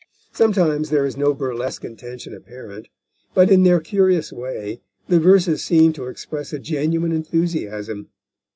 Sometimes there is no burlesque intention apparent, but, in their curious way, the verses seem to express a genuine enthusiasm.